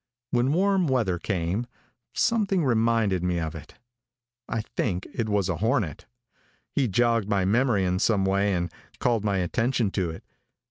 When warm weather came, something reminded me of it. I think it was a hornet. He jogged my memory in some way and called my attention to it.